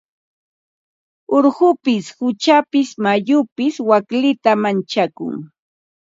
Urqupis quchapis mayupis waklita manchakun.